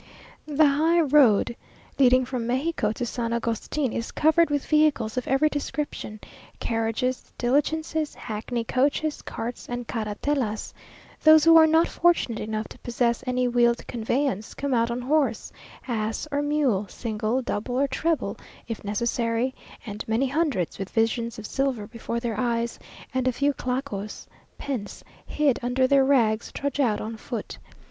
The high road leading from Mexico to San Agustin is covered with vehicles of every description; carriages, diligences, hackney coaches, carts, and carratelas. Those who are not fortunate enough to possess any wheeled conveyance, come out on horse, ass, or mule; single, double, or treble, if necessary; and many hundreds, with visions of silver before their eyes, and a few clacos (pence), hid under their rags, trudge out on foot.